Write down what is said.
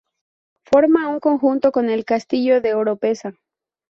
Forma un conjunto con el Castillo de Oropesa.